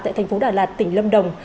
tại thành phố đà lạt tỉnh lâm đồng